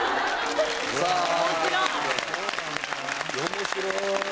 面白い。